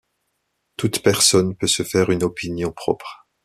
Toute personne peut se faire une opinion propre.